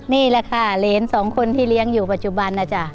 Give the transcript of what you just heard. นี่แหละค่ะเหรนสองคนที่เลี้ยงอยู่ปัจจุบันนะจ๊ะ